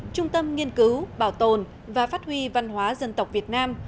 trung tâm nghiên cứu bảo tồn và phát huy văn hóa dân tộc việt nam